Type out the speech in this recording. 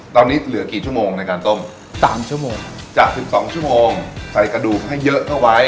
ตอนนี้เหลือกี่ชั่วโมงในการต้ม๓ชั่วโมงจาก๑๒ชั่วโมงใส่กระดูกให้เยอะเข้าไว้